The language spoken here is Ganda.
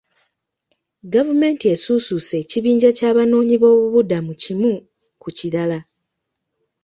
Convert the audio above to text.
Gavumenti esuusuuse ekibinja ky'abanoonyiboobubudamu kimu ku kirala.